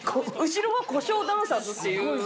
後ろは小姓ダンサーズっていう。